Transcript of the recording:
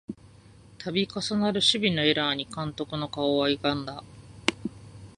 たび重なる守備のエラーに監督の顔はゆがんだ